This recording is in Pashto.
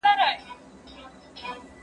خړه مرغۍ په خاورو باندې راولوېده.